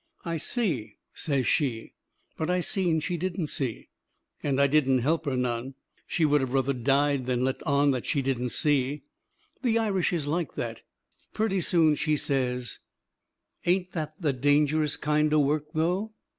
"I see," says she. But I seen she didn't see. And I didn't help her none. She would of ruther died than to let on she didn't see. The Irish is like that. Purty soon she says: "Ain't that the dangerous kind o' work, though!"